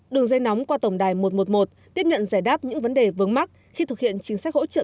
đường dây nóng qua tổng đài một trăm một mươi một tiếp nhận giải đáp những vấn đề vướng mắt khi thực hiện chính sách hỗ trợ